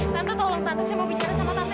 tante tolong tante saya mau bicara sama tante